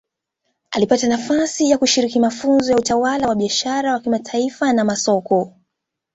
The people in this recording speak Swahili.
Alipata nafasi ya kushiriki mafunzo ya utawala wa biashara wa kimataifa na masoko